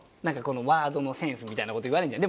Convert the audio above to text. ワードのセンスみたいな事言われるじゃん。